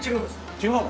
違うの？